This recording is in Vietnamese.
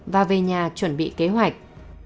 và về nhà chuẩn bị kế hoạch